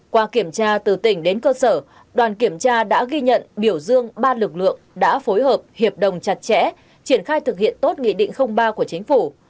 qua kiểm tra từ tỉnh đến cơ sở đoàn kiểm tra đã ghi nhận biểu dương ba lực lượng đã phối hợp hiệp đồng chặt chẽ triển khai thực hiện tốt nghị định ba của chính phủ